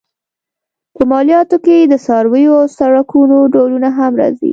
په مالیاتو کې د څارویو او سړکونو ډولونه هم راځي.